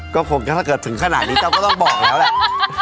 ก็คงถ้าเกิดถึงขนาดนี้เจ้าก็ต้องบอกแล้วแหละ